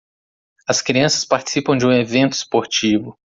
As crianças participam de um evento esportivo.